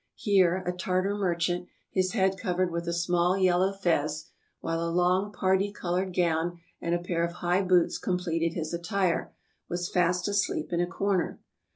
Here a Tartar merchant, his head covered with a small yel low fez, while a long parti colored gown and a pair, of high boots completed his attire, was fast asleep in a corner.